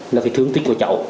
là cái thương tích của cháu